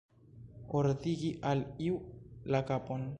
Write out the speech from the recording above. Ordigi al iu la kapon.